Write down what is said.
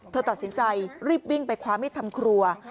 เธอตัดสินใจรีบวิ่งไปคว้ามิดทำครัว